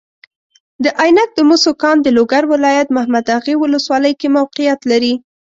د عینک د مسو کان د لوګر ولایت محمداغې والسوالۍ کې موقیعت لري.